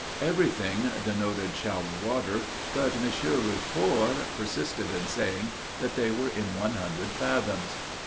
Every thing denoted shallow water, but M. Richefort persisted in saying that they were in one hundred fathoms.